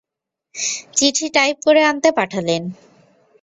চিঠি টাইপ করে আনতে পাঠালেন।